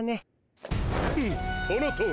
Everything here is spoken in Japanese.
フッそのとおり。